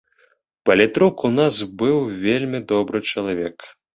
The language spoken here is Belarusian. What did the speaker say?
Палітрук у нас быў вельмі добры чалавек.